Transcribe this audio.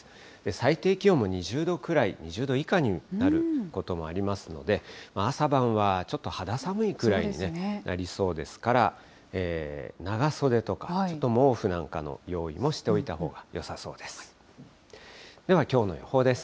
最低気温も２０度くらい、２０度以下になることもありますので、朝晩はちょっと肌寒いくらいになりそうですから、長袖とか、毛布なんかの用意もしておいたほうがよさそうです。